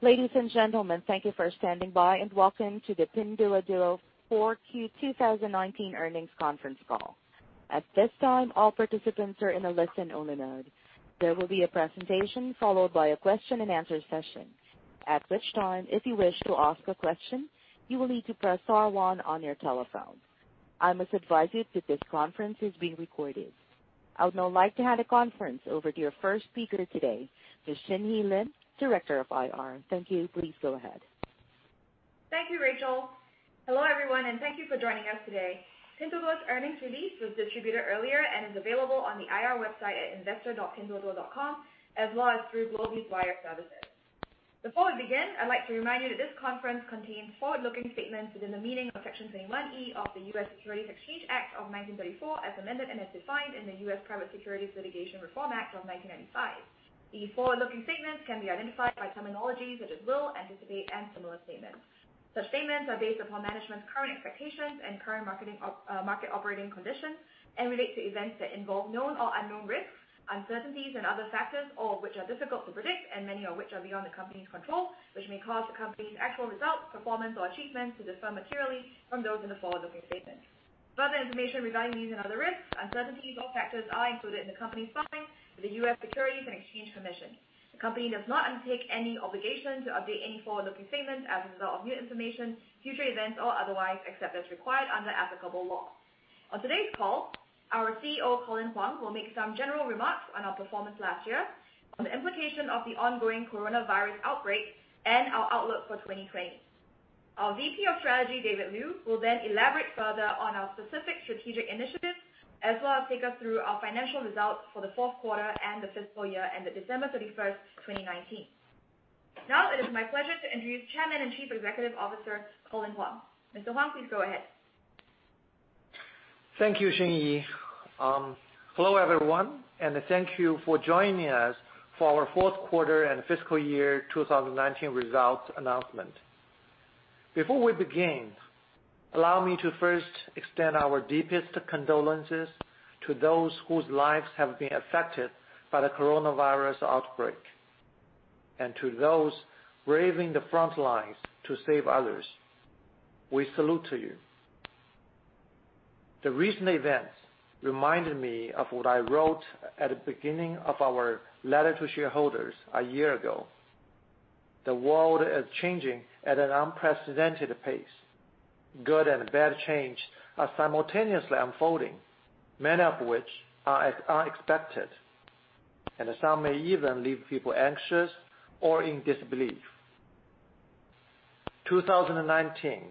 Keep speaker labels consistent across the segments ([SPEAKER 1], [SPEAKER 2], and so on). [SPEAKER 1] Ladies and gentlemen, thank you for standing by, and welcome to the Pinduoduo 4Q 2019 earnings conference call. At this time, all participants are in a listen-only mode. There will be a presentation followed by a question-and-answer session. At which time, if you wish to ask a question, you will need to press star one on your telephone. I must advise you that this conference is being recorded. I would now like to hand the conference over to your first speaker today, Ms. Xin Yi Lim, Director of IR. Thank you. Please go ahead.
[SPEAKER 2] Thank you, Rachel. Hello, everyone, and thank you for joining us today. Pinduoduo's earnings release was distributed earlier and is available on the IR website at investor.pinduoduo.com, as well as through global wire services. Before we begin, I'd like to remind you that this conference contains forward-looking statements within the meaning of Section 21E of the U.S. Securities Exchange Act of 1934, as amended, and as defined in the U.S. Private Securities Litigation Reform Act of 1995. The forward-looking statements can be identified by terminology such as will, anticipate, and similar statements. Such statements are based upon management's current expectations and current market operating conditions and relate to events that involve known or unknown risks, uncertainties, and other factors, all of which are difficult to predict and many of which are beyond the company's control, which may cause the company's actual results, performance, or achievements to differ materially from those in the forward-looking statements. Further information regarding these and other risks, uncertainties, or factors are included in the company's filings with the U.S. Securities and Exchange Commission. The company does not undertake any obligation to update any forward-looking statements as a result of new information, future events, or otherwise, except as required under applicable law. On today's call, our CEO, Colin Huang, will make some general remarks on our performance last year, on the implication of the ongoing coronavirus outbreak, and our outlook for 2020. Our VP of Strategy, David Liu, will then elaborate further on our specific strategic initiatives as well as take us through our financial results for the fourth quarter and the fiscal year ended December 31st, 2019. Now, it is my pleasure to introduce Chairman and Chief Executive Officer, Colin Huang. Mr. Huang, please go ahead.
[SPEAKER 3] Thank you, Xin Yi. Hello, everyone, and thank you for joining us for our fourth quarter and fiscal year 2019 results announcement. Before we begin, allow me to first extend our deepest condolences to those whose lives have been affected by the coronavirus outbreak. To those braving the front lines to save others, we salute to you. The recent events reminded me of what I wrote at the beginning of our letter to shareholders a year ago. The world is changing at an unprecedented pace. Good and bad change are simultaneously unfolding, many of which are unexpected, and some may even leave people anxious or in disbelief. 2019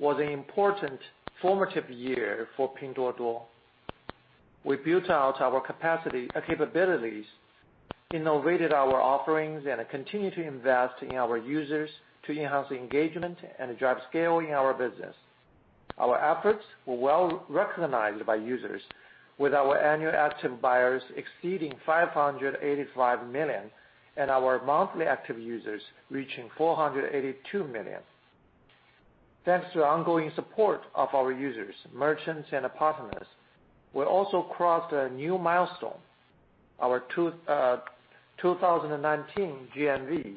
[SPEAKER 3] was an important formative year for Pinduoduo. We built out our capacity and capabilities, innovated our offerings, and continued to invest in our users to enhance engagement and drive scaling our business. Our efforts were well recognized by users, with our annual active buyers exceeding 585 million and our monthly active users reaching 482 million. Thanks to the ongoing support of our users, merchants, and partners, we also crossed a new milestone. Our 2019 GMV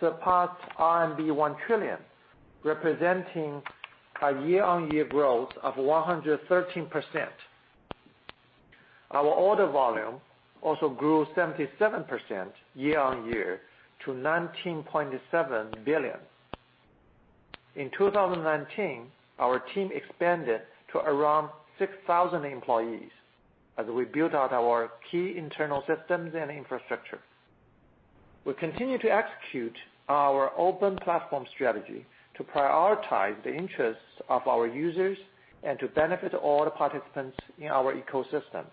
[SPEAKER 3] surpassed RMB 1 trillion, representing a year-on-year growth of 113%. Our order volume also grew 77% year-on-year to 19.7 billion. In 2019, our team expanded to around 6,000 employees as we built out our key internal systems and infrastructure. We continue to execute our open platform strategy to prioritize the interests of our users and to benefit all the participants in our ecosystem.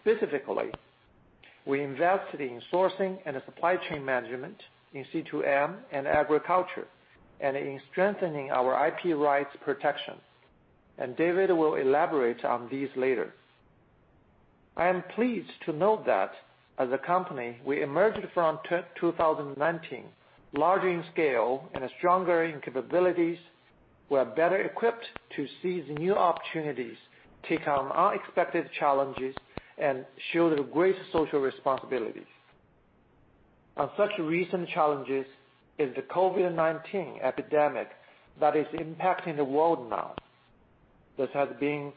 [SPEAKER 3] Specifically, we invested in sourcing and supply chain management in C2M and agriculture and in strengthening our IP rights protection. David will elaborate on these later. I am pleased to note that as a company, we emerged from 2019 larger in scale and stronger in capabilities. We are better equipped to seize new opportunities, take on unexpected challenges, and shoulder great social responsibilities. Such recent challenges is the COVID-19 epidemic that is impacting the world now. This has been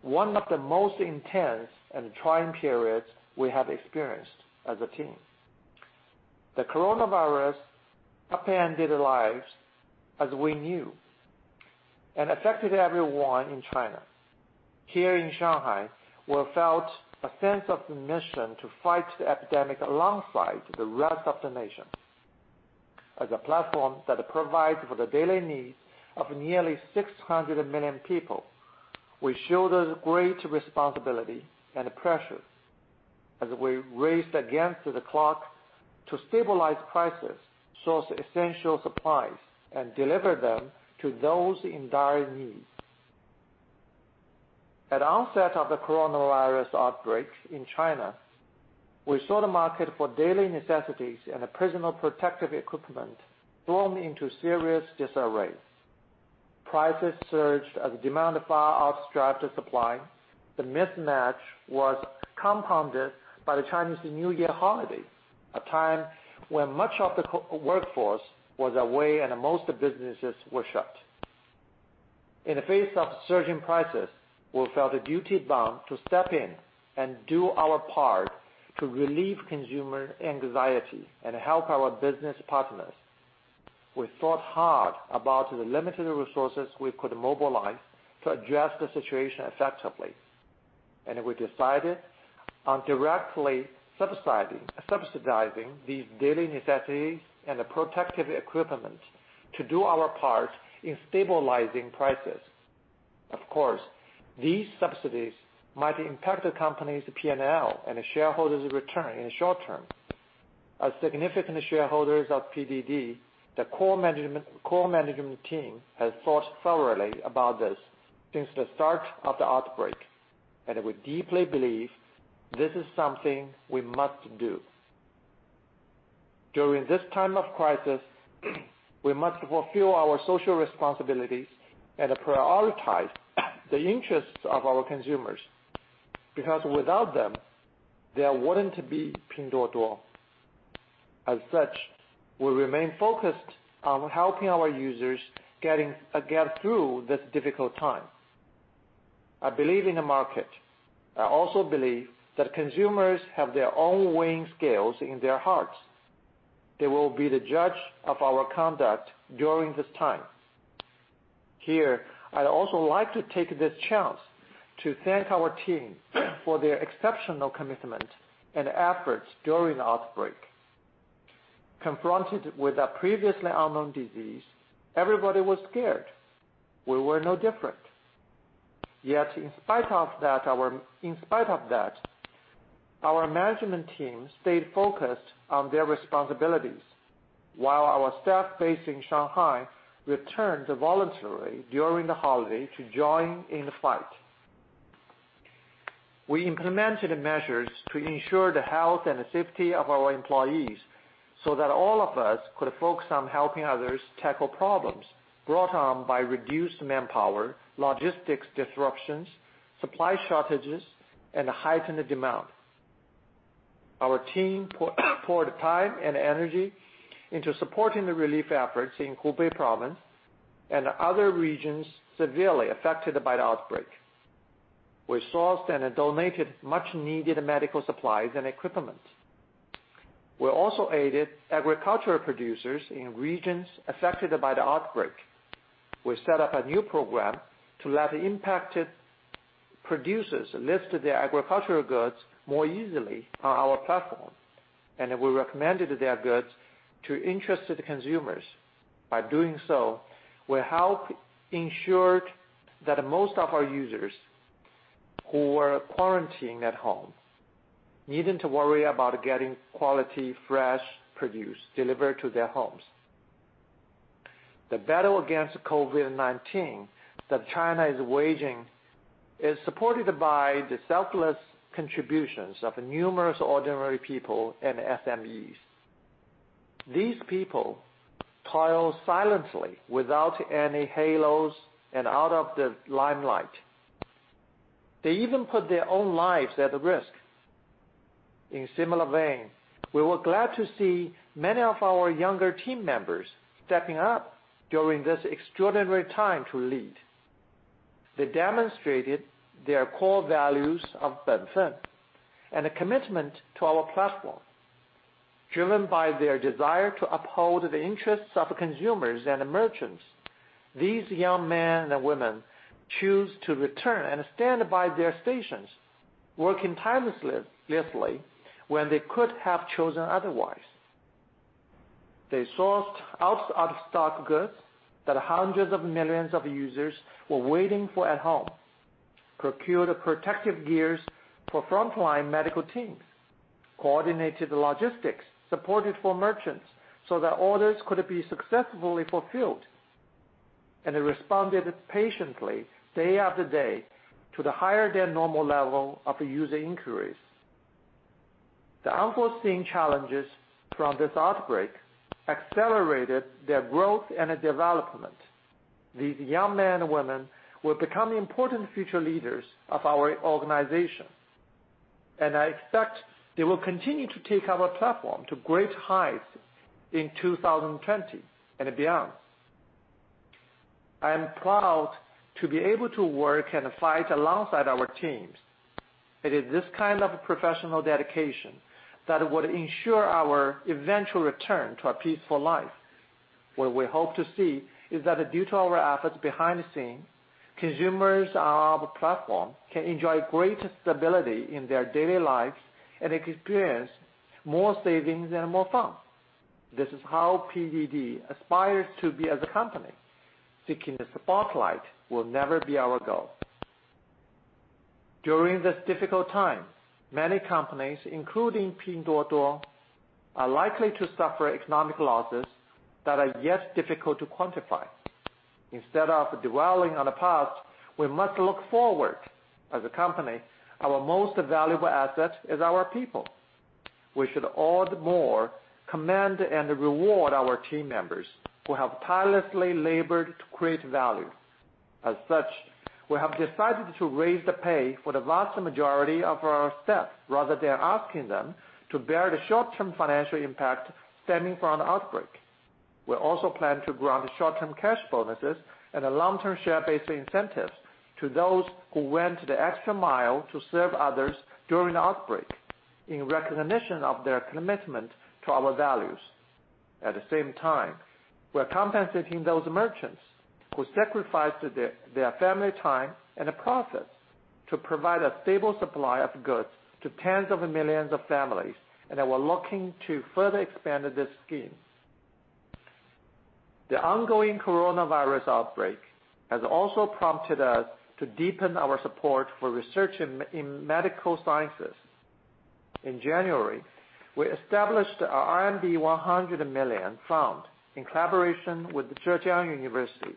[SPEAKER 3] one of the most intense and trying periods we have experienced as a team. The coronavirus upended lives as we knew and affected everyone in China. Here in Shanghai, we felt a sense of mission to fight the epidemic alongside the rest of the nation. As a platform that provides for the daily needs of nearly 600 million people, we shouldered great responsibility and pressures as we raced against the clock to stabilize prices, source essential supplies, and deliver them to those in dire need. At onset of the coronavirus outbreak in China, we saw the market for daily necessities and personal protective equipment thrown into serious disarray. Prices surged as demand far outstripped the supply. The mismatch was compounded by the Chinese New Year holiday, a time when much of the core workforce was away and most businesses were shut. In the face of surging prices, we felt a duty-bound to step in and do our part to relieve consumer anxiety and help our business partners. We thought hard about the limited resources we could mobilize to address the situation effectively. We decided on directly subsidizing these daily necessities and the protective equipment to do our part in stabilizing prices. Of course, these subsidies might impact the company's P&L and the shareholders' return in the short term. As significant shareholders of PDD, the core management team has thought thoroughly about this since the start of the outbreak, we deeply believe this is something we must do. During this time of crisis, we must fulfill our social responsibilities and prioritize the interests of our consumers, because without them, there wouldn't be Pinduoduo. As such, we remain focused on helping our users get through this difficult time. I believe in the market. I also believe that consumers have their own weighing scales in their hearts. They will be the judge of our conduct during this time. Here, I'd also like to take this chance to thank our team for their exceptional commitment and efforts during the outbreak. Confronted with a previously unknown disease, everybody was scared. We were no different. Yet, in spite of that, our management team stayed focused on their responsibilities, while our staff based in Shanghai returned voluntarily during the holiday to join in the fight. We implemented measures to ensure the health and safety of our employees so that all of us could focus on helping others tackle problems brought on by reduced manpower, logistics disruptions, supply shortages, and a heightened demand. Our team poured time and energy into supporting the relief efforts in Hubei province and other regions severely affected by the outbreak. We sourced and donated much-needed medical supplies and equipment. We also aided agricultural producers in regions affected by the outbreak. We set up a new program to let impacted producers list their agricultural goods more easily on our platform, and we recommended their goods to interested consumers. By doing so, we help ensure that most of our users who were quarantining at home needn't to worry about getting quality, fresh produce delivered to their homes. The battle against COVID-19 that China is waging is supported by the selfless contributions of numerous ordinary people and SMEs. These people toil silently without any halos and out of the limelight. They even put their own lives at risk. In similar vein, we were glad to see many of our younger team members stepping up during this extraordinary time to lead. They demonstrated their core values of Benfen and a commitment to our platform. Driven by their desire to uphold the interests of consumers and merchants, these young men and women choose to return and stand by their stations, working tirelessly when they could have chosen otherwise. They sourced out-of-stock goods that hundreds of millions of users were waiting for at home, procured protective gears for frontline medical teams, coordinated logistics supported for merchants so that orders could be successfully fulfilled, and they responded patiently day after day to the higher-than-normal level of user inquiries. The unforeseen challenges from this outbreak accelerated their growth and development. These young men and women will become important future leaders of our organization, and I expect they will continue to take our platform to great heights in 2020 and beyond. I am proud to be able to work and fight alongside our teams. It is this kind of professional dedication that would ensure our eventual return to a peaceful life. What we hope to see is that due to our efforts behind the scenes, consumers on our platform can enjoy greater stability in their daily lives and experience more savings and more fun. This is how PDD aspires to be as a company. Seeking the spotlight will never be our goal. During this difficult time, many companies, including Pinduoduo, are likely to suffer economic losses that are yet difficult to quantify. Instead of dwelling on the past, we must look forward. As a company, our most valuable asset is our people. We should all the more commend and reward our team members who have tirelessly labored to create value. As such, we have decided to raise the pay for the vast majority of our staff, rather than asking them to bear the short-term financial impact stemming from the outbreak. We also plan to grant short-term cash bonuses and long-term share-based incentives to those who went the extra mile to serve others during the outbreak in recognition of their commitment to our values. At the same time, we're compensating those merchants who sacrificed their family time in the process to provide a stable supply of goods to tens of millions of families, and they were looking to further expand this scheme. The ongoing coronavirus outbreak has also prompted us to deepen our support for research in medical sciences. In January, we established our RMB 100 million fund in collaboration with the Zhejiang University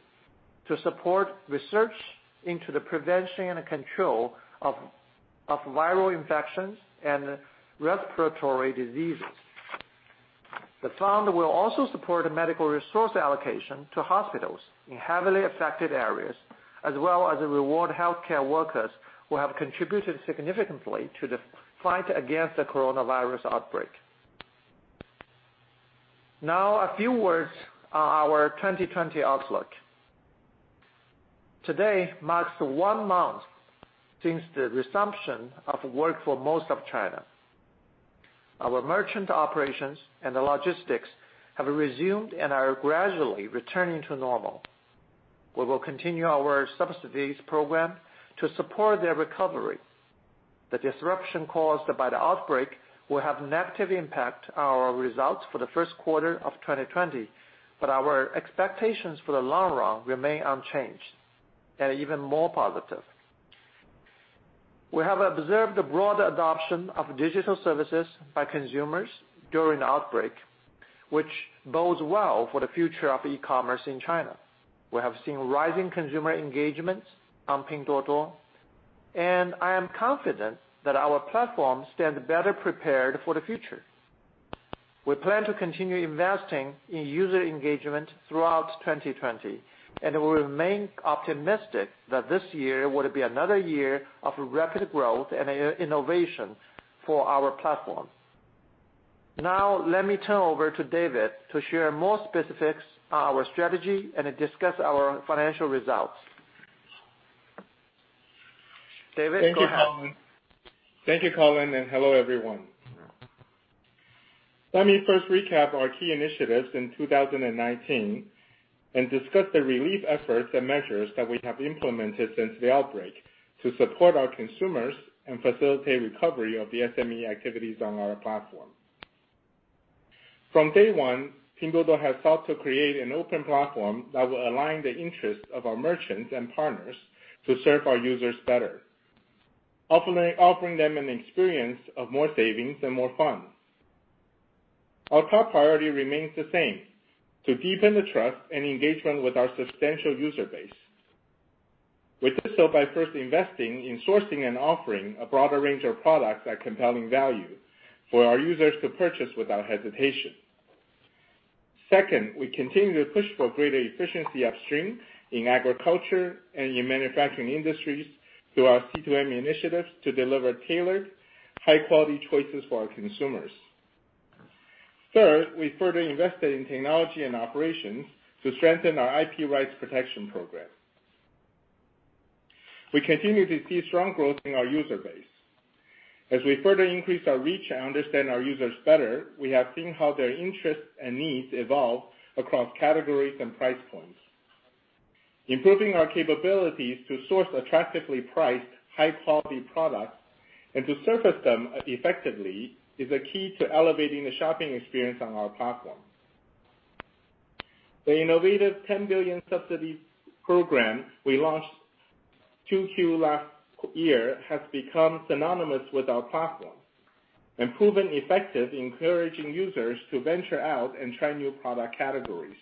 [SPEAKER 3] to support research into the prevention and control of viral infections and respiratory diseases. The fund will also support medical resource allocation to hospitals in heavily affected areas, as well as reward healthcare workers who have contributed significantly to the fight against the coronavirus outbreak. Now, a few words on our 2020 outlook. Today marks one month since the resumption of work for most of China. Our merchant operations and the logistics have resumed and are gradually returning to normal. We will continue our subsidies program to support their recovery. The disruption caused by the outbreak will have negative impact on our results for the first quarter of 2020, but our expectations for the long run remain unchanged, and even more positive. We have observed the broad adoption of digital services by consumers during the outbreak, which bodes well for the future of e-commerce in China. We have seen rising consumer engagements on Pinduoduo, and I am confident that our platform stand better prepared for the future. We plan to continue investing in user engagement throughout 2020, and we remain optimistic that this year would be another year of rapid growth and innovation for our platform. Now, let me turn over to David to share more specifics on our strategy and discuss our financial results. David, go ahead.
[SPEAKER 4] Thank you, Colin, and hello, everyone. Let me first recap our key initiatives in 2019 and discuss the relief efforts and measures that we have implemented since the outbreak to support our consumers and facilitate recovery of the SME activities on our platform. From day one, Pinduoduo has sought to create an open platform that will align the interests of our merchants and partners to serve our users better, offering them an experience of more savings and more fun. Our top priority remains the same, to deepen the trust and engagement with our substantial user base. We did so by first investing in sourcing and offering a broader range of products at compelling value for our users to purchase without hesitation. Second, we continue to push for greater efficiency upstream in agriculture and in manufacturing industries through our C2M initiatives to deliver tailored, high-quality choices for our consumers. Third, we further invested in technology and operations to strengthen our IP rights protection program. We continue to see strong growth in our user base. As we further increase our reach and understand our users better, we have seen how their interests and needs evolve across categories and price points. Improving our capabilities to source attractively priced, high-quality products and to surface them effectively is a key to elevating the shopping experience on our platform. The innovative 10 Billion Subsidy program we launched 2Q last year has become synonymous with our platform and proven effective in encouraging users to venture out and try new product categories.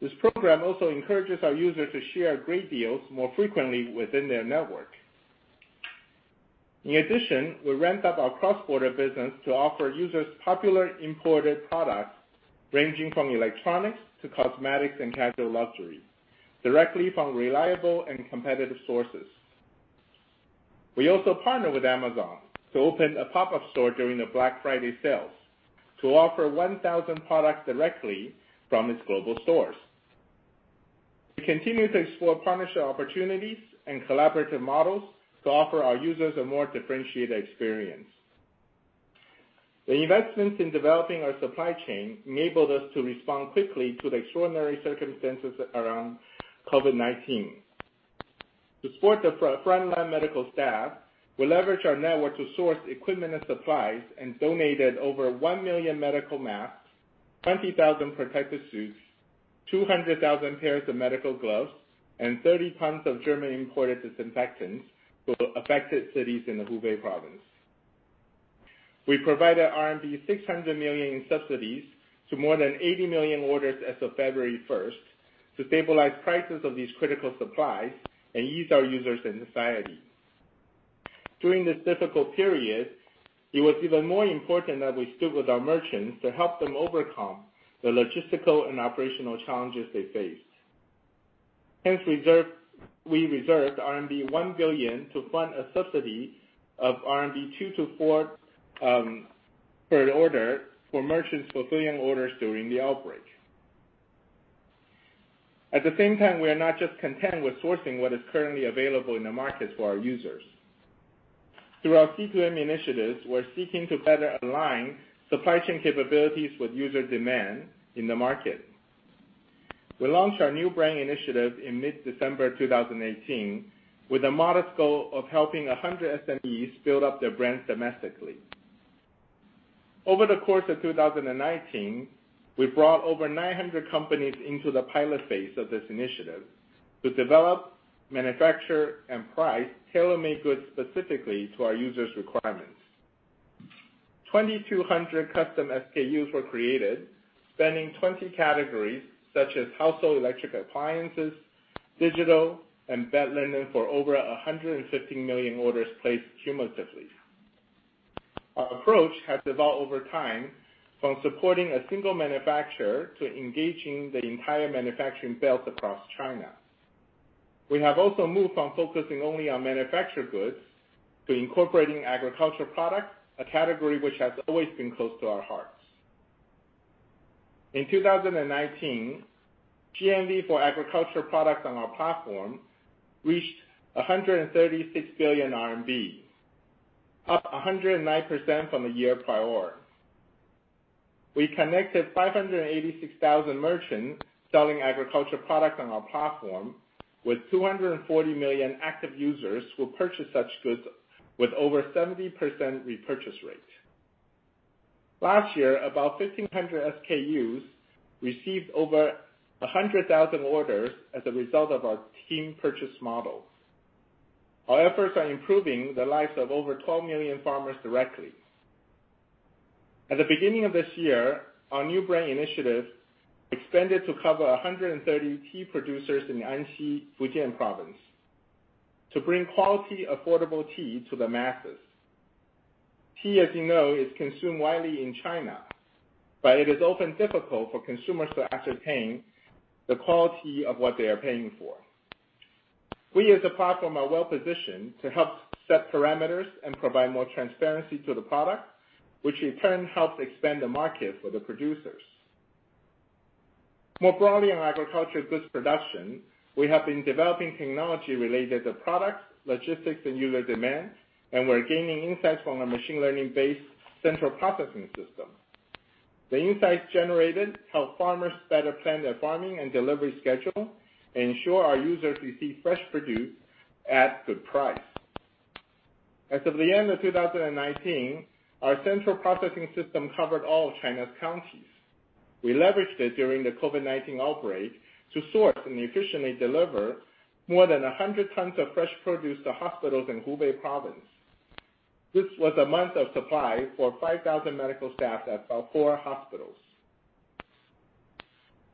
[SPEAKER 4] This program also encourages our users to share great deals more frequently within their network. In addition, we ramped up our cross-border business to offer users popular imported products ranging from electronics to cosmetics and casual luxury directly from reliable and competitive sources. We also partnered with Amazon to open a pop-up store during the Black Friday sales to offer 1,000 products directly from its global stores. We continue to explore partnership opportunities and collaborative models to offer our users a more differentiated experience. The investments in developing our supply chain enabled us to respond quickly to the extraordinary circumstances around COVID-19. To support the front, frontline medical staff, we leveraged our network to source equipment and supplies and donated over 1 million medical masks, 20,000 protective suits, 200,000 pairs of medical gloves, and 30 tons of German-imported disinfectant to affected cities in the Hubei province. We provided RMB 600 million in subsidies to more than 80 million orders as of February 1st, to stabilize prices of these critical supplies and ease our users and society. During this difficult period, it was even more important that we stood with our merchants to help them overcome the logistical and operational challenges they faced. We reserved RMB 1 billion to fund a subsidy of 2-4 RMB per order for merchants fulfilling orders during the outbreak. At the same time, we are not just content with sourcing what is currently available in the market for our users. Through our C2M initiatives, we're seeking to better align supply chain capabilities with user demand in the market. We launched our New Brand Initiative in mid-December 2018 with a modest goal of helping 100 SMEs build up their brands domestically. Over the course of 2019, we brought over 900 companies into the pilot phase of this initiative to develop, manufacture, and price tailor-made goods specifically to our users' requirements. 2,200 custom SKUs were created, spanning 20 categories such as household electric appliances, digital, and bed linen for over 150 million orders placed cumulatively. Our approach has evolved over time from supporting a single manufacturer to engaging the entire manufacturing belt across China. We have also moved from focusing only on manufactured goods to incorporating agriculture products, a category which has always been close to our hearts. In 2019, GMV for agriculture products on our platform reached 136 billion RMB, up 109% from the year prior. We connected 586,000 merchants selling agriculture products on our platform, with 240 million active users who purchase such goods with over 70% repurchase rate. Last year, about 1,500 SKUs received over 100,000 orders as a result of our team purchase model. Our efforts are improving the lives of over 12 million farmers directly. At the beginning of this year, our new brand initiative expanded to cover 130 tea producers in Anxi, Fujian province to bring quality, affordable tea to the masses. Tea, as you know, is consumed widely in China, but it is often difficult for consumers to ascertain the quality of what they are paying for. We as a platform are well-positioned to help set parameters and provide more transparency to the product, which in turn helps expand the market for the producers. More broadly on agriculture goods production, we have been developing technology related to products, logistics, and user demand, and we're gaining insights from our machine learning-based central processing system. The insights generated help farmers better plan their farming and delivery schedule and ensure our users receive fresh produce at good price. As of the end of 2019, our central processing system covered all China's counties. We leveraged it during the COVID-19 outbreak to source and efficiently deliver more than 100 tons of fresh produce to hospitals in Hubei province. This was a month of supply for 5,000 medical staff at four hospitals.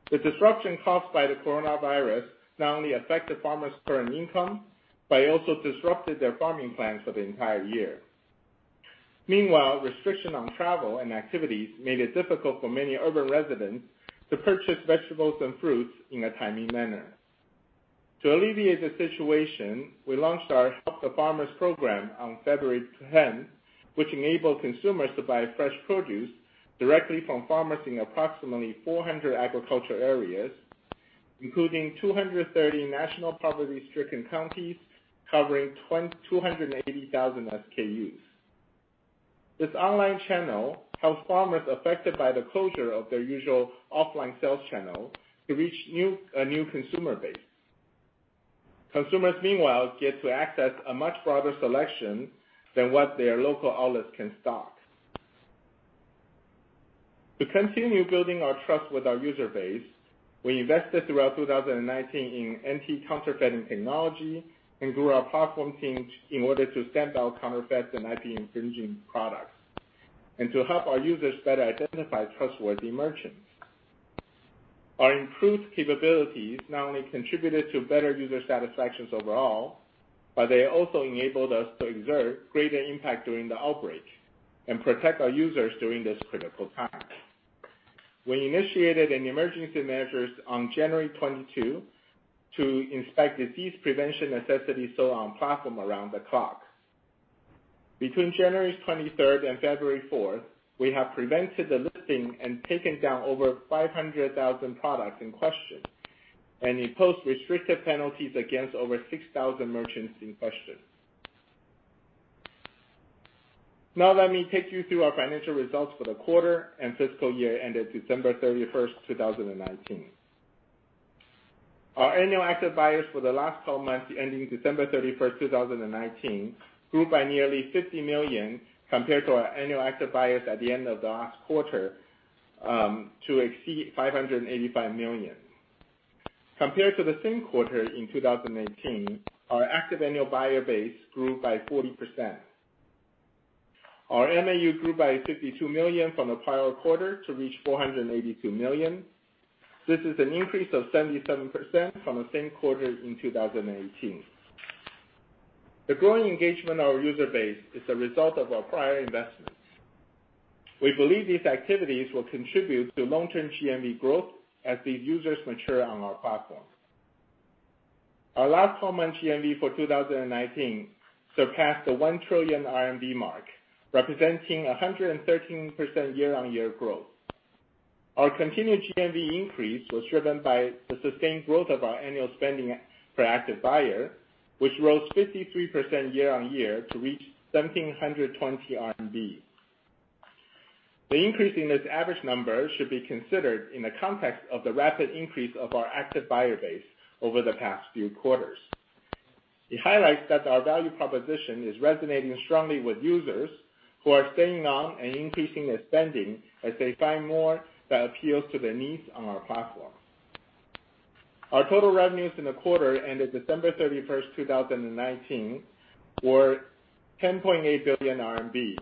[SPEAKER 4] The disruption caused by the coronavirus not only affected farmers' current income but it also disrupted their farming plans for the entire year. Meanwhile, restriction on travel and activities made it difficult for many urban residents to purchase vegetables and fruits in a timely manner. To alleviate the situation, we launched our Help the Farmers program on February 10th, which enabled consumers to buy fresh produce directly from farmers in approximately 400 agriculture areas, including 230 national poverty-stricken counties covering 280,000 SKUs. This online channel helps farmers affected by the closure of their usual offline sales channel to reach a new consumer base. Consumers, meanwhile, get to access a much broader selection than what their local outlets can stock. To continue building our trust with our user base, we invested throughout 2019 in anti-counterfeiting technology and grew our platform team in order to stamp out counterfeits and IP-infringing products, and to help our users better identify trustworthy merchants. Our improved capabilities not only contributed to better user satisfaction overall, but they also enabled us to exert greater impact during the outbreak and protect our users during this critical time. We initiated emergency measures on January 22 to inspect disease prevention necessities sold on platform around the clock. Between January 23rd and February 4th, we have prevented the listing and taken down over 500,000 products in question, and imposed restrictive penalties against over 6,000 merchants in question. Now, let me take you through our financial results for the quarter and fiscal year ended December 31st, 2019. Our annual active buyers for the last 12 months ending December 31st, 2019, grew by nearly 50 million compared to our annual active buyers at the end of last quarter, to exceed 585 million. Compared to the same quarter in 2018, our active annual buyer base grew by 40%. Our MAU grew by 52 million from the prior quarter to reach 482 million. This is an increase of 77% from the same quarter in 2018. The growing engagement of our user base is a result of our prior investments. We believe these activities will contribute to long-term GMV growth as these users mature on our platform. Our last full month GMV for 2019 surpassed the 1 trillion RMB mark, representing 113% year-on-year growth. Our continued GMV increase was driven by the sustained growth of our annual spending per active buyer, which rose 53% year-on-year to reach 1,720 RMB. The increase in this average number should be considered in the context of the rapid increase of our active buyer base over the past few quarters. It highlights that our value proposition is resonating strongly with users who are staying on and increasing their spending as they find more that appeals to their needs on our platform. Our total revenues in the quarter ended December 31st, 2019 were 10.8 billion RMB,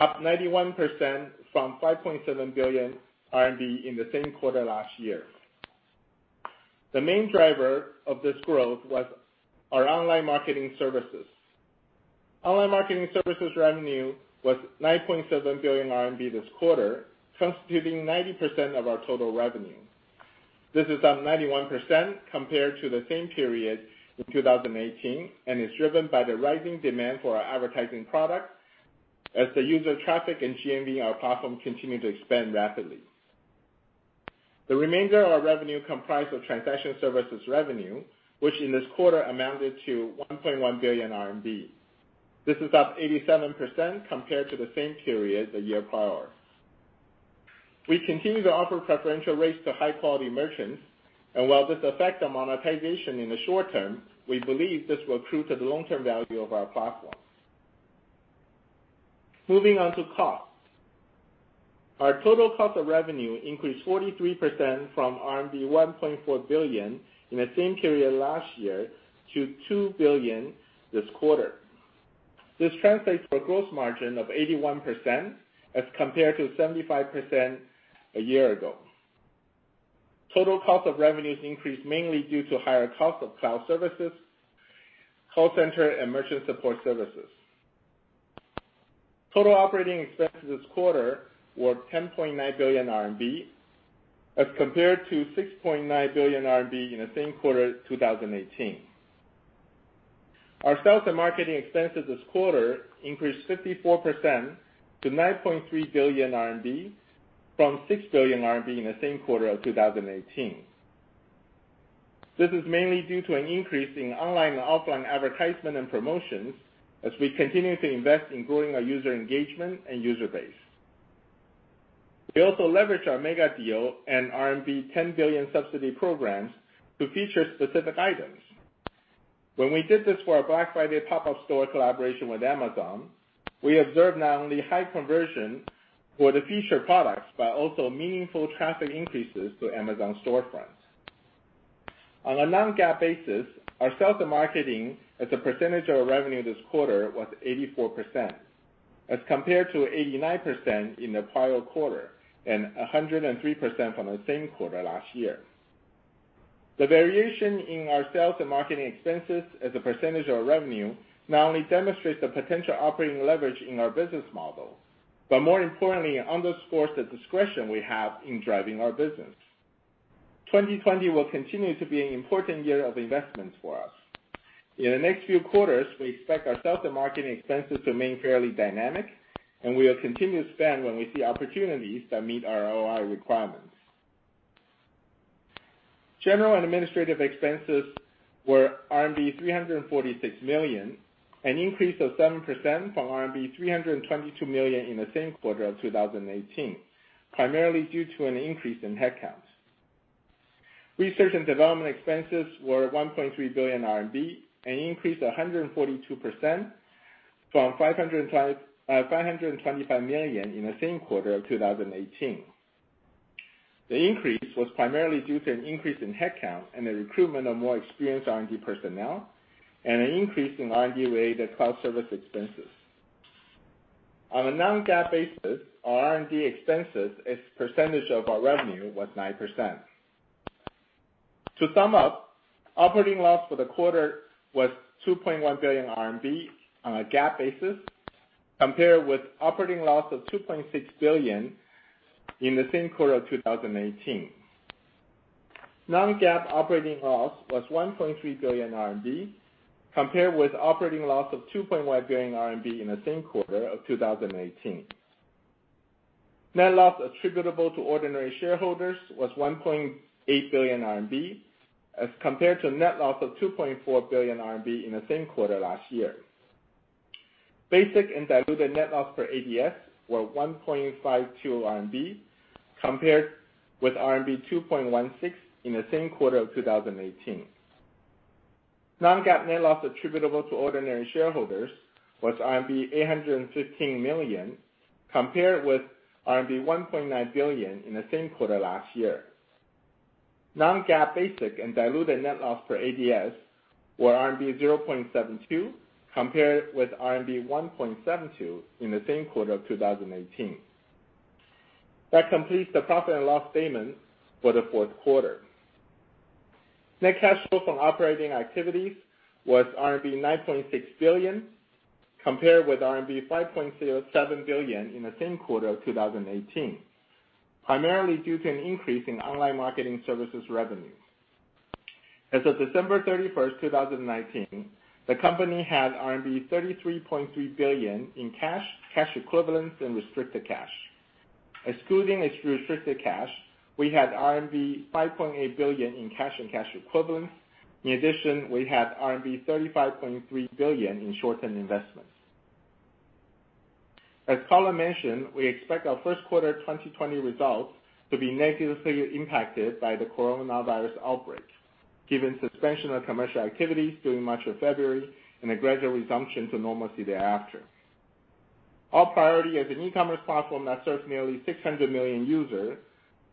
[SPEAKER 4] up 91% from 5.7 billion RMB in the same quarter last year. The main driver of this growth was our online marketing services. Online marketing services revenue was 9.7 billion RMB this quarter, constituting 90% of our total revenue. This is up 91% compared to the same period in 2018, and is driven by the rising demand for our advertising products as the user traffic and GMV on our platform continue to expand rapidly. The remainder of our revenue comprised of transaction services revenue, which in this quarter amounted to 1.1 billion RMB. This is up 87% compared to the same period the year prior. We continue to offer preferential rates to high quality merchants, and while this affects the monetization in the short term, we believe this will accrue to the long-term value of our platform. Moving on to costs. Our total cost of revenue increased 43% from RMB 1.4 billion in the same period last year to 2 billion this quarter. This translates to a gross margin of 81% as compared to 75% a year ago. Total cost of revenues increased mainly due to higher cost of cloud services, call center, and merchant support services. Total operating expenses this quarter were 10.9 billion RMB as compared to 6.9 billion RMB in the same quarter 2018. Our sales and marketing expenses this quarter increased 54% to 9.3 billion RMB from 6 billion RMB in the same quarter of 2018. This is mainly due to an increase in online and offline advertisement and promotions as we continue to invest in growing our user engagement and user base. We also leverage our mega deal and RMB 10 Billion Subsidy program to feature specific items. When we did this for our Black Friday pop-up store collaboration with Amazon, we observed not only high conversion for the featured products, but also meaningful traffic increases to Amazon storefronts. On a non-GAAP basis, our sales and marketing as a percentage of revenue this quarter was 84% as compared to 89% in the prior quarter, and 103% from the same quarter last year. The variation in our sales and marketing expenses as a percentage of revenue not only demonstrates the potential operating leverage in our business model, but more importantly, underscores the discretion we have in driving our business. 2020 will continue to be an important year of investments for us. In the next few quarters, we expect our sales and marketing expenses to remain fairly dynamic, and we will continue to spend when we see opportunities that meet our ROI requirements. General and administrative expenses were RMB 346 million, an increase of 7% from RMB 322 million in the same quarter of 2018, primarily due to an increase in headcount. Research and development expenses were 1.3 billion RMB, an increase of 142% from 525 million in the same quarter of 2018. The increase was primarily due to an increase in headcount and the recruitment of more experienced R&D personnel, and an increase in R&D-related cloud service expenses. On a non-GAAP basis, our R&D expenses as percentage of our revenue was 9%. To sum up, operating loss for the quarter was 2.1 billion RMB on a GAAP basis, compared with operating loss of 2.6 billion in the same quarter of 2018. Non-GAAP operating loss was 1.3 billion RMB, compared with operating loss of 2.1 billion RMB in the same quarter of 2018. Net loss attributable to ordinary shareholders was 1.8 billion RMB, as compared to net loss of 2.4 billion RMB in the same quarter last year. Basic and diluted net loss per ADS were 1.52 RMB, compared with RMB 2.16 in the same quarter of 2018. Non-GAAP net loss attributable to ordinary shareholders was RMB 815 million, compared with RMB 1.9 billion in the same quarter last year. Non-GAAP basic and diluted net loss per ADS were RMB 0.72, compared with RMB 1.72 in the same quarter of 2018. That completes the profit and loss statement for the fourth quarter. Net cash flow from operating activities was RMB 9.6 billion, compared with RMB 5.07 billion in the same quarter of 2018, primarily due to an increase in online marketing services revenue. As of December 31st, 2019, the company had RMB 33.3 billion in cash, cash equivalents, and restricted cash. Excluding its restricted cash, we had RMB 5.8 billion in cash and cash equivalents. In addition, we had RMB 35.3 billion in short-term investments. As Colin mentioned, we expect our first quarter 2020 results to be negatively impacted by the coronavirus outbreak, given suspension of commercial activities during March or February and a gradual resumption to normalcy thereafter. Our priority as an e-commerce platform that serves nearly 600 million users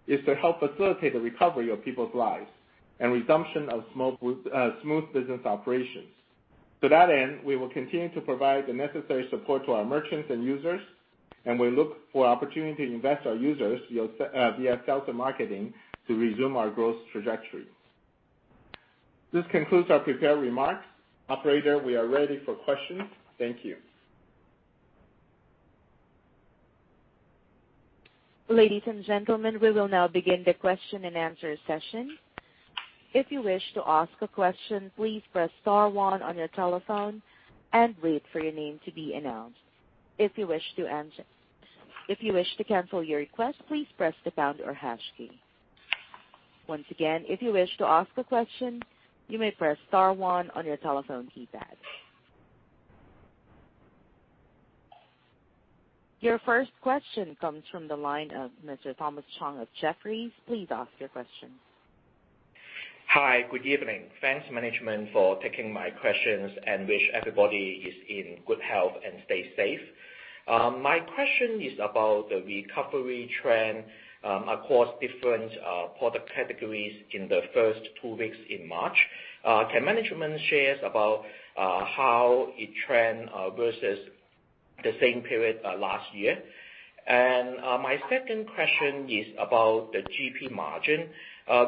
[SPEAKER 4] is to help facilitate the recovery of people's lives and resumption of smooth business operations. To that end, we will continue to provide the necessary support to our merchants and users, and we look for opportunity to invest our users via sales and marketing to resume our growth trajectory. This concludes our prepared remarks. Operator, we are ready for questions. Thank you.
[SPEAKER 1] Ladies and gentlemen, we will now begin the question-and-answer session. If you wish to ask a question, please press star one on your telephone and wait for your name to be announced. If you wish to cancel your request, please press the pound or hash key. Once again, if you wish to ask a question, you may press star one on your telephone keypad. Your first question comes from the line of Mr. Thomas Chong of Jefferies. Please ask your question.
[SPEAKER 5] Hi. Good evening. Thanks, management, for taking my questions, and wish everybody is in good health and stay safe. My question is about the recovery trend across different product categories in the first two weeks in March. Can management shares about how it trend versus the same period last year? My second question is about the GP margin.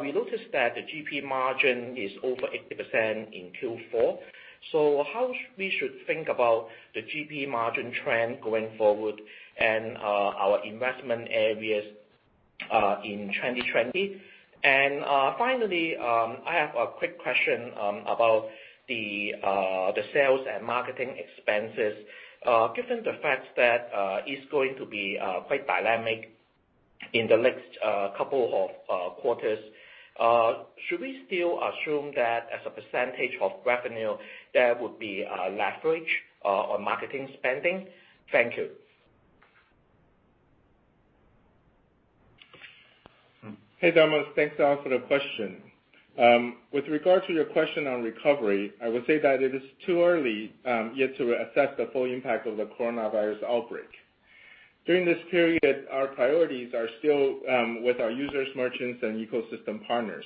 [SPEAKER 5] We noticed that the GP margin is over 80% in Q4. How we should think about the GP margin trend going forward and our investment areas in 2020? Finally, I have a quick question about the sales and marketing expenses. Given the fact that it's going to be quite dynamic in the next couple of quarters, should we still assume that as a percentage of revenue there would be a leverage on marketing spending? Thank you.
[SPEAKER 4] Hey, Thomas. Thanks a lot for the question. With regard to your question on recovery, I would say that it is too early yet to assess the full impact of the coronavirus outbreak. During this period, our priorities are still with our users, merchants, and ecosystem partners.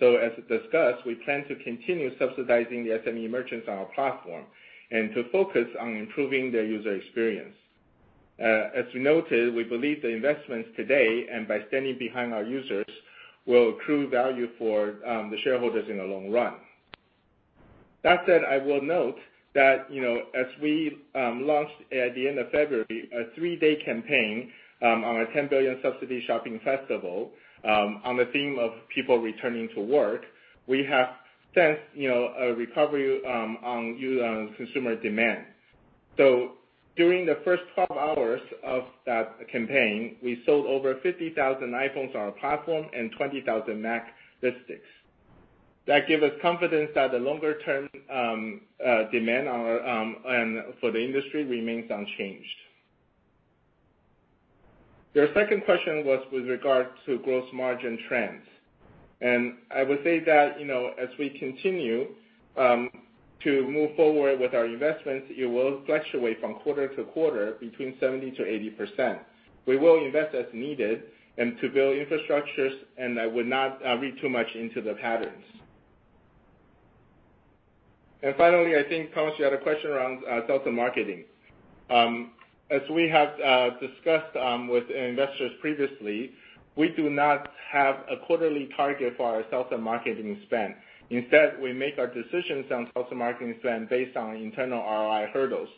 [SPEAKER 4] As discussed, we plan to continue subsidizing the SME merchants on our platform and to focus on improving their user experience. As we noted, we believe the investments today and by standing behind our users will accrue value for the shareholders in the long run. That said, I will note that, you know, as we launched at the end of February, a three-day campaign on our 10 Billion Subsidy shopping festival, on the theme of people returning to work, we have sensed, you know, a recovery on consumer demand. During the first 12 hours of that campaign, we sold over 50,000 iPhones on our platform and 20,000 MacBooks. That give us confidence that the longer term demand on for the industry remains unchanged. Your second question was with regard to gross margin trends. I would say that, you know, as we continue to move forward with our investments, it will fluctuate from quarter to quarter between 70%-80%. We will invest as needed and to build infrastructures, and I would not read too much into the patterns. Finally, I think, Thomas, you had a question around sales and marketing. As we have discussed with investors previously, we do not have a quarterly target for our sales and marketing spend. Instead, we make our decisions on sales and marketing spend based on internal ROI hurdles.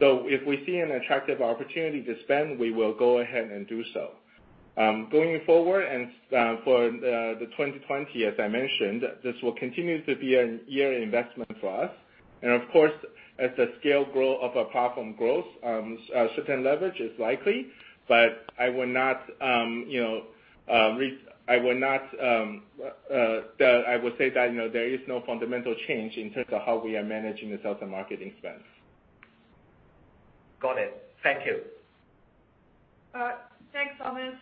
[SPEAKER 4] If we see an attractive opportunity to spend, we will go ahead and do so. Going forward, for the 2020, as I mentioned, this will continue to be a year investment for us. Of course, as the scale grow of our platform grows, certain leverage is likely, but I would not, you know, I would say that, you know, there is no fundamental change in terms of how we are managing the sales and marketing spends.
[SPEAKER 5] Got it. Thank you.
[SPEAKER 2] Thanks, Thomas.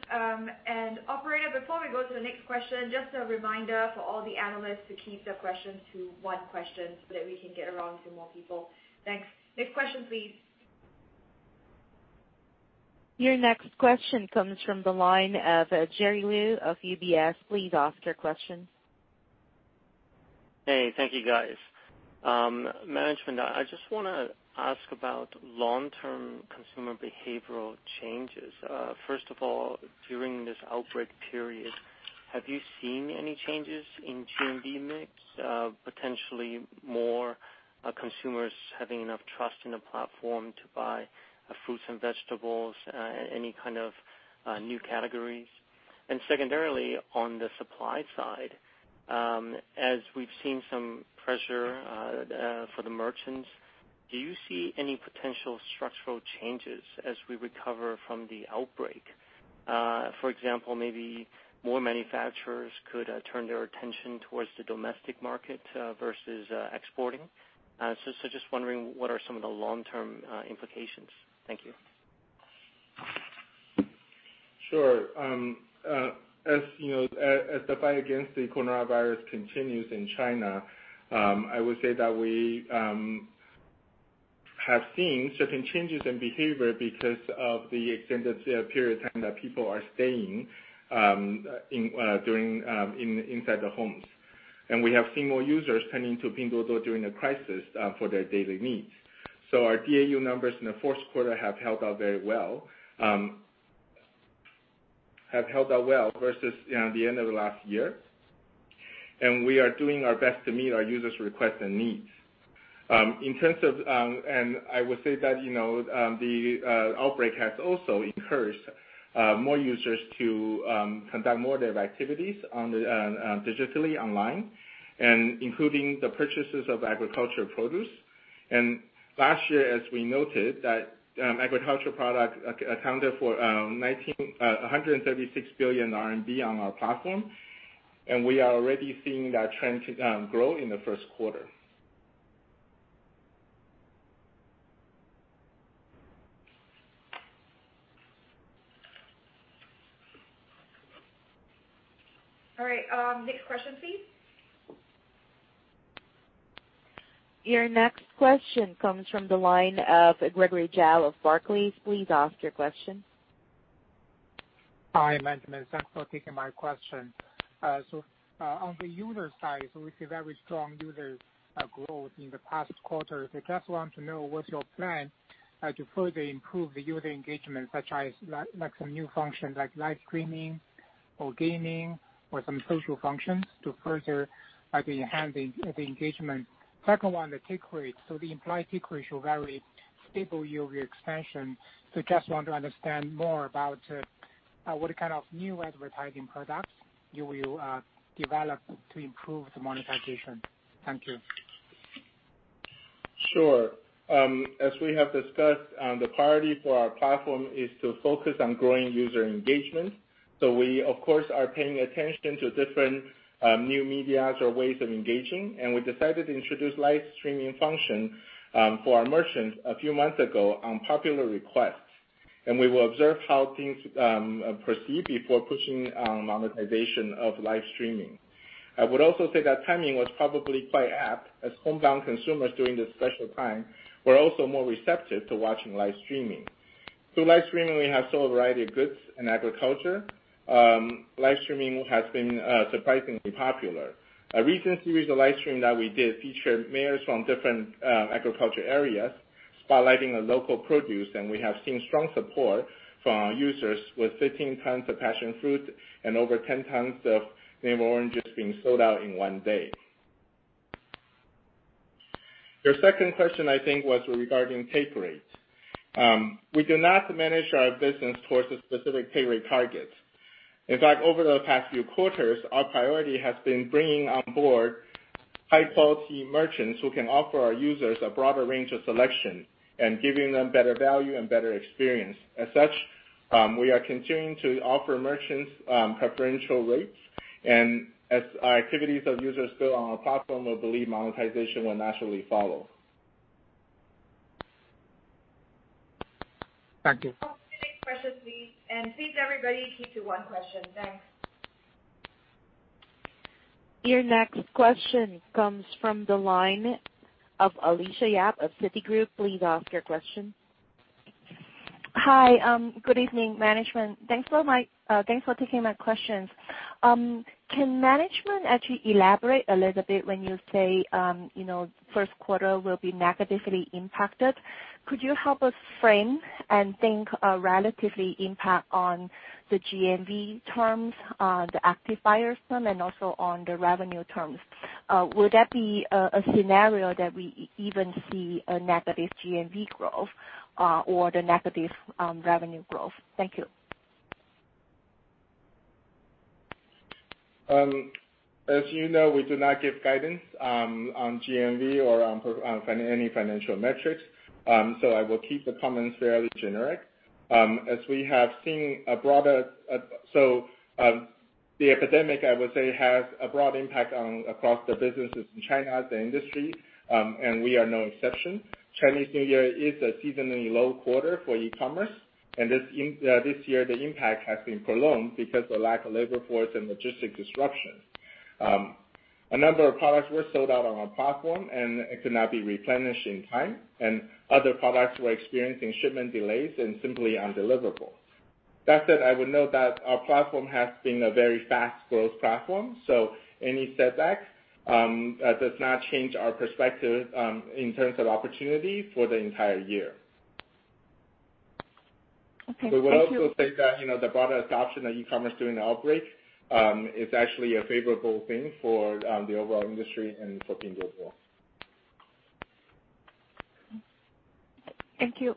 [SPEAKER 2] Operator, before we go to the next question, just a reminder for all the analysts to keep their questions to one question so that we can get around to more people. Thanks. Next question, please.
[SPEAKER 1] Your next question comes from the line of Jerry Liu of UBS. Please ask your question.
[SPEAKER 6] Hey, thank you guys. Management, I just want to ask about long-term consumer behavioral changes. First of all, during this outbreak period, have you seen any changes in GMV mix, potentially more consumers having enough trust in the platform to buy fruits and vegetables, any kind of new categories? Secondarily, on the supply side, as we've seen some pressure for the merchants, do you see any potential structural changes as we recover from the outbreak? For example, maybe more manufacturers could turn their attention towards the domestic market versus exporting. So just wondering what are some of the long-term implications. Thank you.
[SPEAKER 4] Sure. As you know, as the fight against the coronavirus continues in China, I would say that we have seen certain changes in behavior because of the extended period time that people are staying inside the homes. We have seen more users turning to Pinduoduo during the crisis for their daily needs. Our DAU numbers in the fourth quarter have held out very well, have held out well versus, you know, the end of the last year. We are doing our best to meet our users' requests and needs. In terms of, I would say that, you know, the outbreak has also encouraged more users to conduct more of their activities digitally online, including the purchases of agricultural produce. Last year, as we noted, that agricultural products accounted for 136 billion RMB on our platform, and we are already seeing that trend grow in the first quarter.
[SPEAKER 2] All right. Next question please.
[SPEAKER 1] Your next question comes from the line of Gregory Zhao of Barclays. Please ask your question.
[SPEAKER 7] Hi, management. Thanks for taking my question. On the user side, we see very strong user growth in the past quarter. I just want to know what's your plan to further improve the user engagement, such as like some new functions like live streaming or gaming or some social functions to further enhance the engagement. Second one, the take rate. The implied take rate shows very stable year-over-year expansion. Just want to understand more about what kind of new advertising products you will develop to improve the monetization. Thank you.
[SPEAKER 4] Sure. As we have discussed, the priority for our platform is to focus on growing user engagement. We, of course, are paying attention to different new medias or ways of engaging, and we decided to introduce live streaming function for our merchants a few months ago on popular request. We will observe how things proceed before pushing monetization of live streaming. I would also say that timing was probably quite apt as homebound consumers during this special time were also more receptive to watching live streaming. Through live streaming we have sold a variety of goods and agriculture. Live streaming has been surprisingly popular. A recent series of livestream that we did featured mayors from different agriculture areas spotlighting a local produce, and we have seen strong support from our users with 15 tons of passion fruit and over 10 tons of navel oranges being sold out in one day. Your second question, I think, was regarding take rate. We do not manage our business towards a specific take rate target. In fact, over the past few quarters, our priority has been bringing on board high-quality merchants who can offer our users a broader range of selection and giving them better value and better experience. As such, we are continuing to offer merchants preferential rates. As activities of users grow on our platform, we believe monetization will naturally follow.
[SPEAKER 7] Thank you.
[SPEAKER 2] Next question please. Please everybody, keep to one question. Thanks.
[SPEAKER 1] Your next question comes from the line of Alicia Yap of Citigroup. Please ask your question.
[SPEAKER 8] Hi. good evening, management. Thanks for taking my questions. Can management actually elaborate a little bit when you say, you know, first quarter will be negatively impacted? Could you help us frame and think, relatively impact on the GMV terms, on the active buyers term, and also on the revenue terms? Would that be a scenario that we even see a negative GMV growth, or the negative revenue growth? Thank you.
[SPEAKER 4] As you know, we do not give guidance on GMV or any financial metrics, I will keep the comments fairly generic. As we have seen a broader, the epidemic, I would say, has a broad impact on across the businesses in China, the industry, we are no exception. Chinese New Year is a seasonally low quarter for e-commerce, this year the impact has been prolonged because the lack of labor force and logistic disruption. A number of products were sold out on our platform, it could not be replenished in time, other products were experiencing shipment delays and simply undeliverable. That said, I would note that our platform has been a very fast growth platform, so any setback, does not change our perspective, in terms of opportunity for the entire year.
[SPEAKER 8] Okay. Thank you.
[SPEAKER 4] We would also say that, you know, the broader adoption of e-commerce during the outbreak is actually a favorable thing for the overall industry and for Pinduoduo.
[SPEAKER 8] Thank you.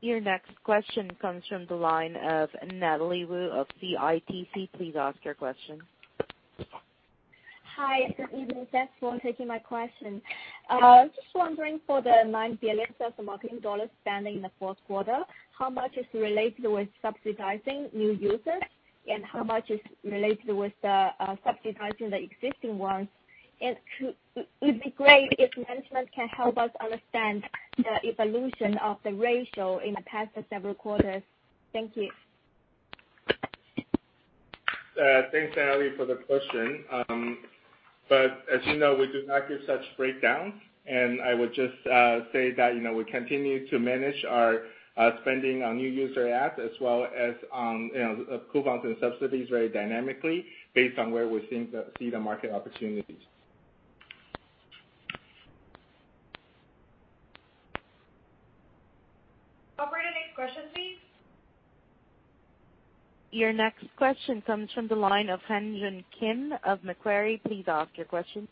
[SPEAKER 1] Your next question comes from the line of Natalie Wu of CICC. Please ask your question.
[SPEAKER 9] Hi. Good evening. Thanks for taking my question. Just wondering for the $9 billion marketing spending in the fourth quarter, how much is related with subsidizing new users, and how much is related with the subsidizing the existing ones? To It would be great if management can help us understand the evolution of the ratio in the past several quarters. Thank you.
[SPEAKER 4] Thanks, Natalie, for the question. As you know, we do not give such breakdown, and I would just say that, you know, we continue to manage our spending on new user ads as well as, you know, coupons and subsidies very dynamically based on where we think we see the market opportunities.
[SPEAKER 2] Operator, next question please.
[SPEAKER 1] Your next question comes from the line of Han Joon Kim of Macquarie. Please ask your question.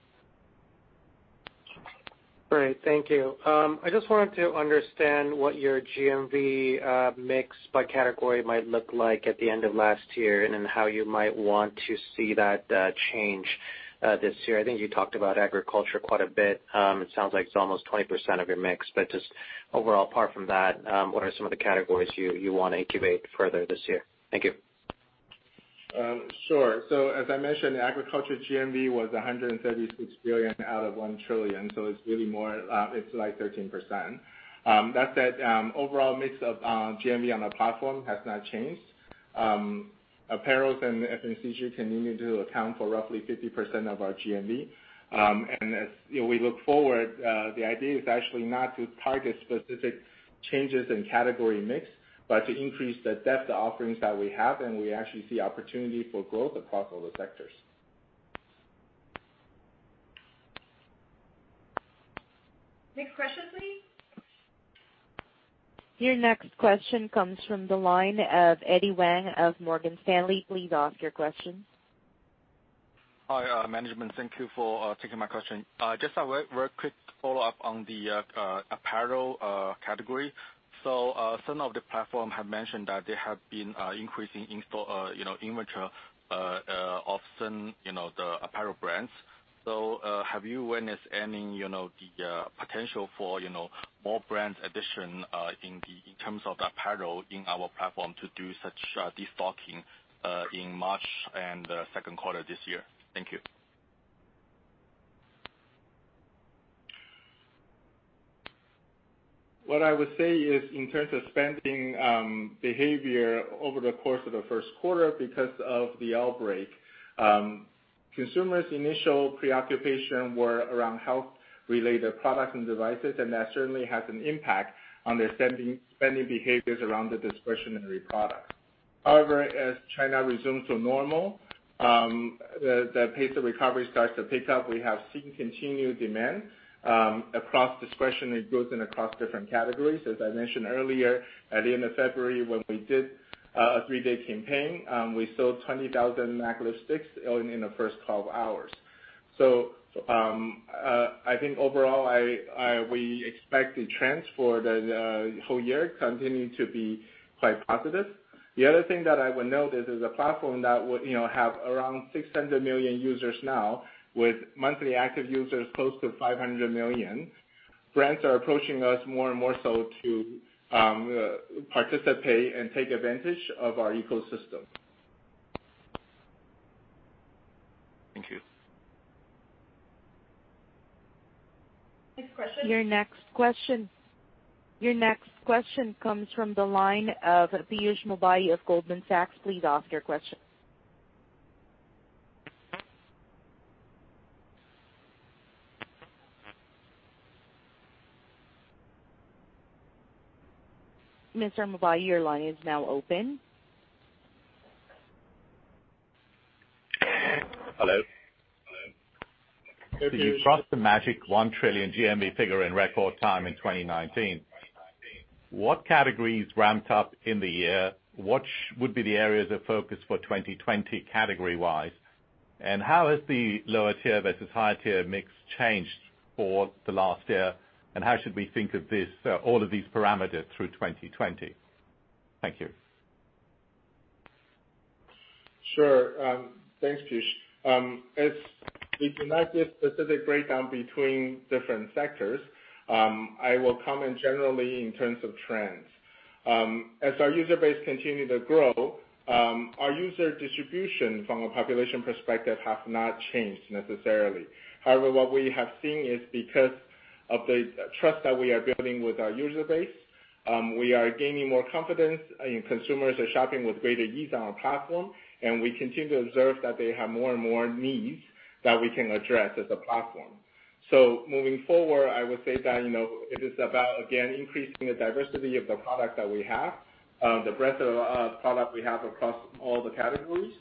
[SPEAKER 10] Great. Thank you. I just wanted to understand what your GMV mix by category might look like at the end of last year, and then how you might want to see that change this year. I think you talked about agriculture quite a bit. It sounds like it's almost 20% of your mix, but just overall, apart from that, what are some of the categories you wanna incubate further this year? Thank you.
[SPEAKER 4] As I mentioned, the agriculture GMV was 136 billion out of 1 trillion, it's really more, it's like 13%. That said, overall mix of GMV on our platform has not changed. Apparels and FMCG continue to account for roughly 50% of our GMV. As, you know, we look forward, the idea is actually not to target specific changes in category mix, but to increase the depth offerings that we have, and we actually see opportunity for growth across all the sectors.
[SPEAKER 2] Next question please.
[SPEAKER 1] Your next question comes from the line of Eddy Wang of Morgan Stanley. Please ask your question.
[SPEAKER 11] Hi, management. Thank you for taking my question. Just a very, very quick follow-up on the apparel category. Some of the platform have mentioned that they have been increasing in-store, you know, inventory of some, you know, the apparel brands. Have you witnessed any, you know, the potential for, you know, more brands addition in terms of apparel in our platform to do such destocking in March and the second quarter this year? Thank you.
[SPEAKER 4] What I would say is in terms of spending behavior over the course of the first quarter, because of the outbreak, consumers' initial preoccupation were around health-related products and devices, and that certainly has an impact on their spending behaviors around the discretionary product. However, as China resumes to normal, the pace of recovery starts to pick up. We have seen continued demand across discretionary goods and across different categories. As I mentioned earlier, at the end of February, when we did a three-day campaign, we sold 20,000 MAC lipsticks in the first 12 hours. I think overall, we expect the trends for the whole year continue to be quite positive. The other thing that I would note is, as a platform that would, you know, have around 600 million users now, with monthly active users close to 500 million, brands are approaching us more and more so to participate and take advantage of our ecosystem.
[SPEAKER 11] Thank you.
[SPEAKER 2] Next question.
[SPEAKER 1] Your next question comes from the line of Piyush Mubayi of Goldman Sachs. Please ask your question. Mr. Mubayi, your line is now open.
[SPEAKER 12] Hello?
[SPEAKER 4] Hey, Piyush.
[SPEAKER 12] You crossed the magic 1 trillion GMV figure in record time in 2019. What categories ramped up in the year? Which would be the areas of focus for 2020 category-wise? How has the lower tier versus higher tier mix changed for the last year, and how should we think of this, all of these parameters through 2020? Thank you.
[SPEAKER 4] Sure. Thanks, Piyush. As we do not give specific breakdown between different sectors, I will comment generally in terms of trends. As our user base continue to grow, our user distribution from a population perspective has not changed necessarily. However, what we have seen is because of the trust that we are building with our user base, we are gaining more confidence and consumers are shopping with greater ease on our platform, and we continue to observe that they have more and more needs that we can address as a platform. Moving forward, I would say that, you know, it is about, again, increasing the diversity of the product that we have, the breadth of product we have across all the categories.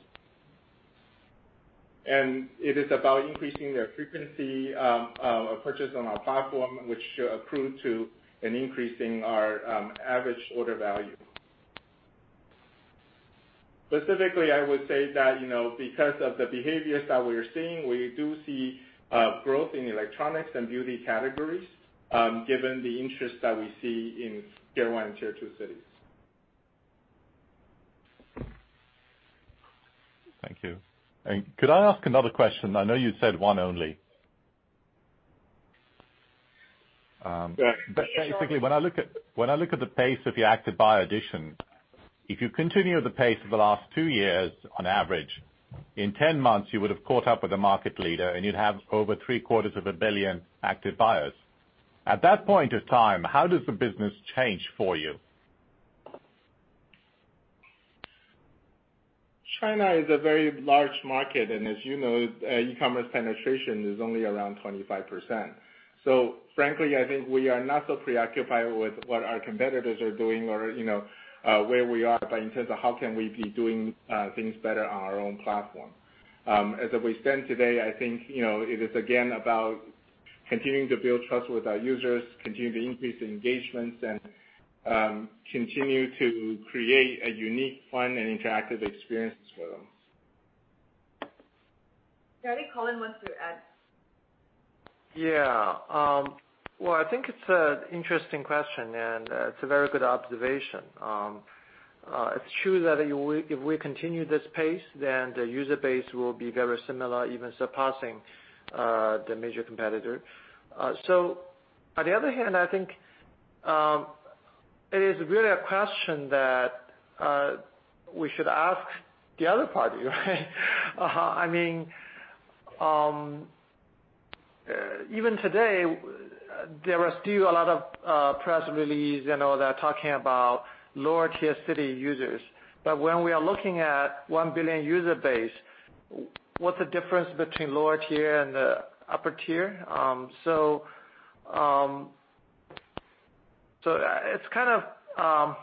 [SPEAKER 4] It is about increasing their frequency of purchase on our platform, which should accrue to an increase in our average order value. Specifically, I would say that, you know, because of the behaviors that we're seeing, we do see growth in electronics and beauty categories, given the interest that we see in tier-1 and tier-2 cities.
[SPEAKER 12] Thank you. Could I ask another question? I know you said one only.
[SPEAKER 4] Yeah.
[SPEAKER 12] Basically, when I look at, when I look at the pace of your active buyer addition, if you continue the pace of the last two years on average, in 10 months you would've caught up with the market leader, and you'd have over three quarters of a billion active buyers. At that point in time, how does the business change for you?
[SPEAKER 4] China is a very large market, as you know, e-commerce penetration is only around 25%. Frankly, I think we are not so preoccupied with what our competitors are doing or, you know, where we are, but in terms of how can we be doing things better on our own platform. As we stand today, I think, you know, it is again about continuing to build trust with our users, continuing to increase the engagements, and continue to create a unique, fun, and interactive experience for them.
[SPEAKER 2] David, Colin wants to add.
[SPEAKER 3] Well, I think it's a interesting question, and it's a very good observation. It's true that if we continue this pace, then the user base will be very similar, even surpassing the major competitor. On the other hand, I think it is really a question that we should ask the other party, right? I mean, even today, there are still a lot of press release, you know, that are talking about lower tier city users. When we are looking at 1 billion user base, what's the difference between lower tier and the upper tier? It's kind of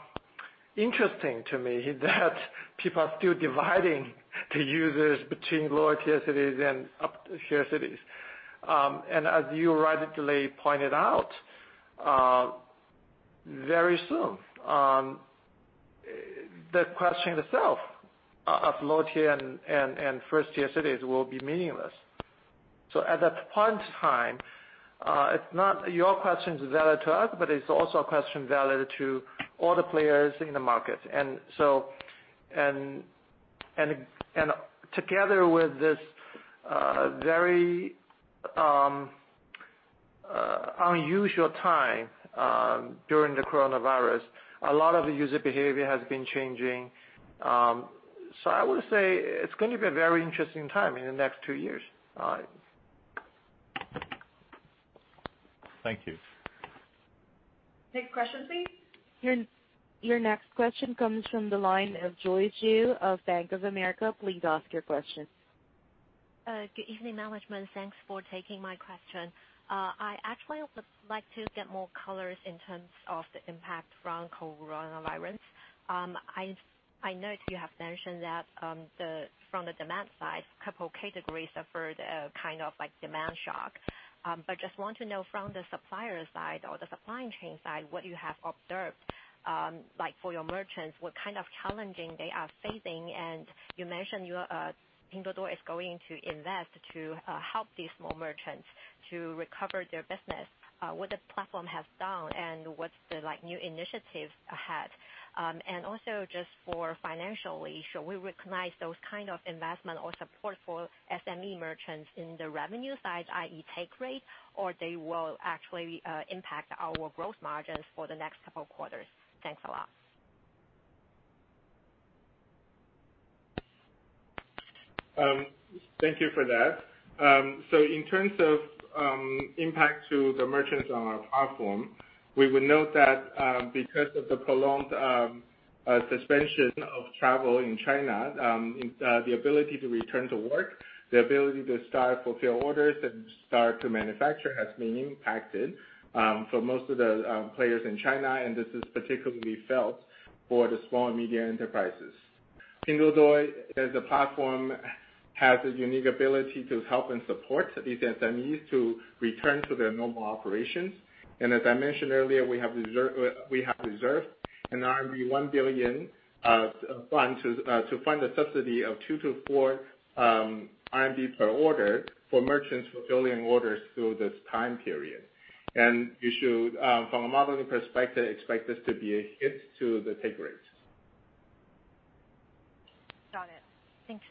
[SPEAKER 3] interesting to me that people are still dividing the users between lower tier cities and upper tier cities. As you rightly pointed out, very soon, the question itself of lower tier and first tier cities will be meaningless. At that point in time, it's not your question's valid to us, but it's also a question valid to all the players in the market. Together with this, very unusual time, during the COVID-19, a lot of the user behavior has been changing. I would say it's going to be a very interesting time in the next two years.
[SPEAKER 12] Thank you.
[SPEAKER 2] Next question please.
[SPEAKER 1] Your next question comes from the line of Joyce Ju of Bank of America. Please ask your question.
[SPEAKER 13] Good evening, management. Thanks for taking my question. I actually would like to get more colors in terms of the impact from coronavirus. I note you have mentioned that from the demand side, couple categories suffered a kind of like demand shock. Just want to know from the supplier side or the supply chain side, what you have observed, like for your merchants, what kind of challenges they are facing. You mentioned you are Pinduoduo is going to invest to help these small merchants to recover their business. What the platform has done, what's the, like, new initiatives ahead. Also just for financially, should we recognize those kind of investment or support for SME merchants in the revenue side, i.e. take rate, or they will actually impact our gross margins for the next couple of quarters? Thanks a lot.
[SPEAKER 4] Thank you for that. In terms of impact to the merchants on our platform, we would note that because of the prolonged suspension of travel in China, the ability to return to work, the ability to start fulfill orders and start to manufacture has been impacted for most of the players in China, and this is particularly felt for the small and medium enterprises. Pinduoduo as a platform has a unique ability to help and support these SMEs to return to their normal operations. As I mentioned earlier, we have reserved an RMB 1 billion fund to fund a subsidy of 2-4 RMB per order for merchants fulfilling orders through this time period. And, you should, from a modeling perspective, expect this to be a hit to the take rate.
[SPEAKER 13] Got it. Thanks.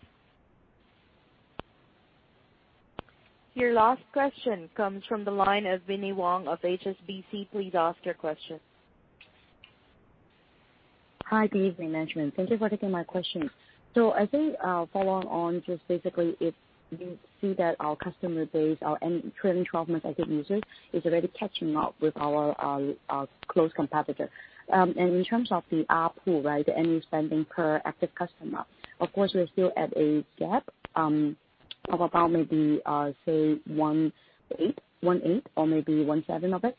[SPEAKER 1] Your last question comes from the line of Binnie Wong of HSBC. Please ask your question.
[SPEAKER 14] Hi, good evening, management. Thank you for taking my question. I think, following on just basically if we see that our customer base, our any trailing 12-month active users is already catching up with our close competitor. In terms of the ARPU, right? The annual spending per active customer, of course, we're still at a gap of about maybe 1/8 or maybe 1/7 of it.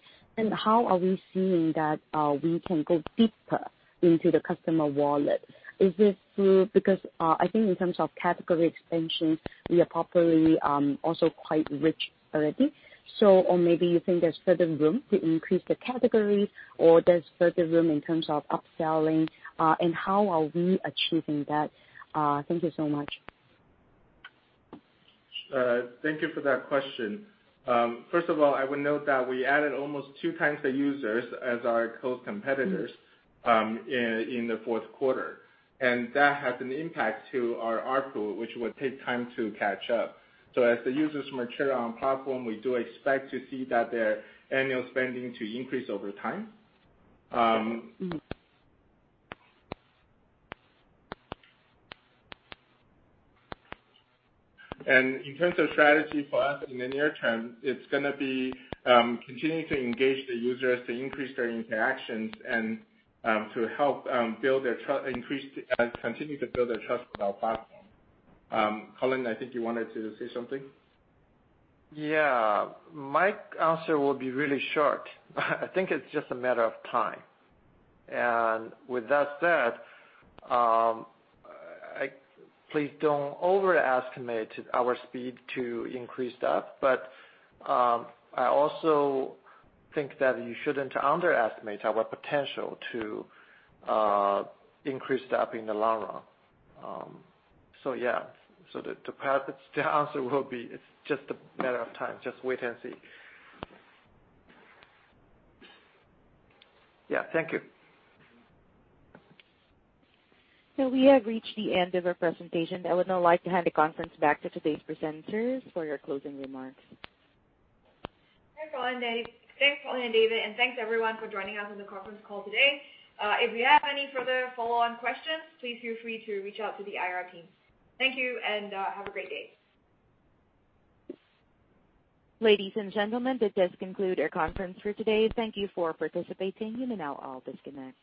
[SPEAKER 14] How are we seeing that we can go deeper into the customer wallet? Because, I think in terms of category expansion, we are properly also quite rich already. Or maybe you think there's further room to increase the category or there's further room in terms of upselling, how are we achieving that? Thank you so much.
[SPEAKER 4] Thank you for that question. First of all, I would note that we added almost 2x the users as our close competitors, in the fourth quarter. That has an impact to our ARPU, which would take time to catch up. As the users mature on platform, we do expect to see that their annual spending to increase over time. In terms of strategy for us in the near term, it's gonna be, continuing to engage the users to increase their interactions and, to help, build their trust, continue to build their trust with our platform. Colin, I think you wanted to say something.
[SPEAKER 3] Yeah. My answer will be really short. I think it's just a matter of time. With that said, I please don't overestimate our speed to increase that. I also think that you shouldn't underestimate our potential to increase that in the long run. Yeah. Perhaps the answer will be it's just a matter of time. Just wait and see. Yeah. Thank you.
[SPEAKER 1] We have reached the end of our presentation. I would now like to hand the conference back to today's presenters for your closing remarks.
[SPEAKER 2] Thanks. Thanks, Colin and David. Thanks everyone for joining us on the conference call today. If you have any further follow-on questions, please feel free to reach out to the IR team. Thank you. Have a great day.
[SPEAKER 1] Ladies and gentlemen, that does conclude our conference for today. Thank you for participating, and you may now all disconnect.